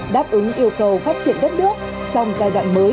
đáp ứng yêu cầu phát triển đất nước trong giai đoạn mới